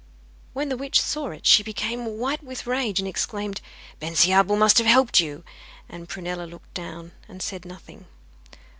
When the witch saw it, she became white with rage, and exclaimed 'Bensiabel must have helped you.' And Prunella looked down, and said nothing.